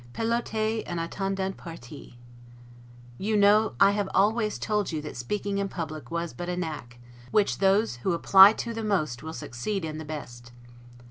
'Pelotez en attendant partie'. You know I have always told you that speaking in public was but a knack, which those who apply to the most will succeed in the best.